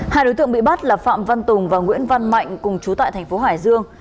hai đối tượng bị bắt là phạm văn tùng và nguyễn văn mạnh cùng chú tại thành phố hải dương